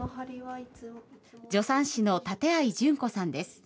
助産師の館合順子さんです。